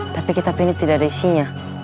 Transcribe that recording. tapi kitab ini tidak ada isinya